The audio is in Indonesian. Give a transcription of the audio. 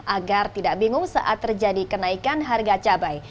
agar tidak bingung saat terjadi kenaikan harga cabai